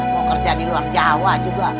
mau kerja di luar jawa juga